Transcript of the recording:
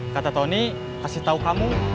kata tony kasih tahu kamu